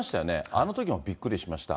あのときもびっくりしました。